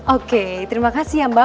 oke terima kasih ya mbak